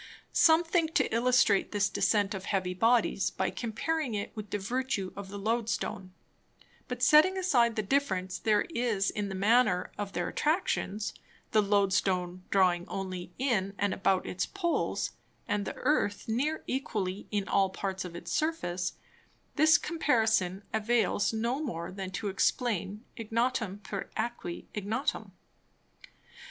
Some think to illustrate this Descent of Heavy Bodies, by comparing it with the Vertue of the Loadstone; but setting aside the difference there is in the manner of their Attractions, the Loadstone drawing only in and about its Poles, and the Earth near equally in all Parts of its Surface, this Comparison avails no more than to explain ignotum per æque ignotum.